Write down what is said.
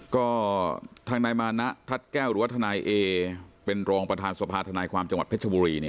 ก็ทางนายมานะทัศน์แก้วหรือว่าทนายเอเป็นรองประธานสภาธนายความจังหวัดเพชรบุรี